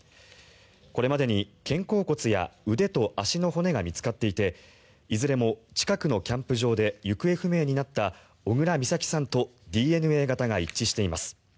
これまでに肩甲骨や腕と足の骨が見つかっていていずれも近くのキャンプ場で行方不明になった小倉美咲さんとＤＮＡ型が一致しています。